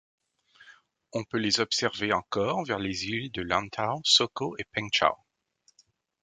On peut les observer encore vers les îles de Lantau, Soko et Peng Chau.